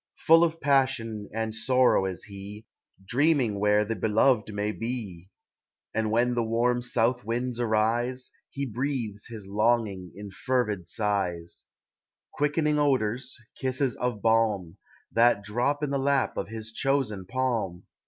Full of passion and sorrow is he, Dreaming where the beloved may be; And when the warm south winds arise, He breathes his longing in fervid sighs, Quickening odors, kisses of balm, That drop in the lap of his chosen palm.